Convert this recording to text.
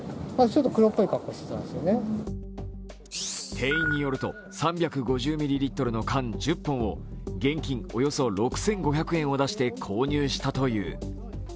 店員によると、３５０ミリリットルの缶１０本を現金およそ６５００円を出して購入したという。